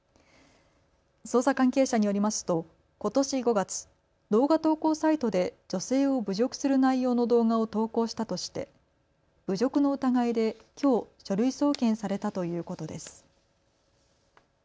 捜査関係者によりますとことし５月、動画投稿サイトで女性を侮辱する内容の動画を投稿したとして侮辱の疑いできょう書類送検されたということです。